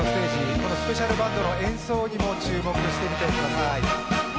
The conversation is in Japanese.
このスペシャルバンドの演奏にも注目してみてください。